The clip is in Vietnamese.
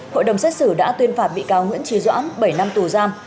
hội đồng xét xử đã tuyên phạt bị cáo nguyễn trí doãn bảy năm tù giam